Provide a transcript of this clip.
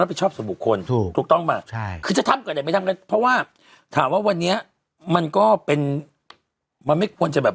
ในตรวจแม้เป็นมันเป็นมันเป็น